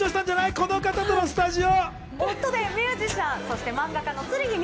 この方がスタジオ。